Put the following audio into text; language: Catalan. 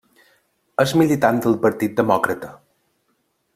És militant del Partit Demòcrata.